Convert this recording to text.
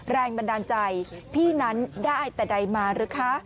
แรงบันดาลใจพี่นั้นได้แต่ใดมาหรือคะ